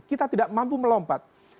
kita tidak mampu melompat